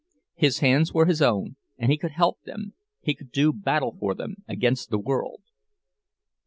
His hands were his own, and he could help them, he could do battle for them against the world.